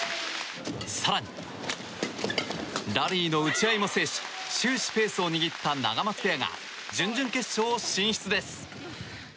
更に、ラリーの打ち合いも制し終始、ペースを握ったナガマツペアが準々決勝進出です。